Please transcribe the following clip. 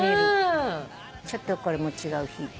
ちょっとこれも違う日。